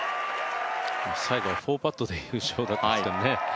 最後は４パットで優勝だったんですけどね。